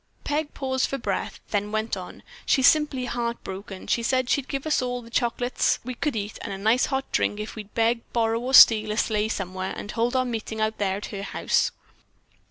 Peg paused for breath, then went on: "She's simply heart broken; she said she'd give us all the chocolates we could eat and a nice hot drink if we'd beg, borrow or steal a sleigh somewhere and hold our meeting out there at her house."